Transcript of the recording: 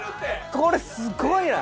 これすごいな！